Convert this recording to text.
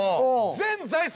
全財産